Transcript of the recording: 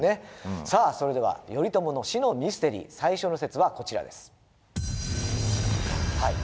さあそれでは頼朝の死のミステリー最初の説はこちらです。